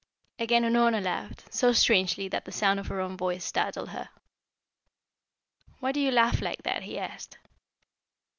Again Unorna laughed, so strangely that the sound of her own voice startled her. "Why do you laugh like that?" he asked.